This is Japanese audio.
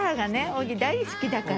オギ大好きだから。